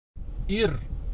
Ир!